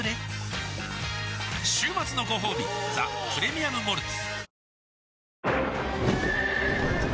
週末のごほうび「ザ・プレミアム・モルツ」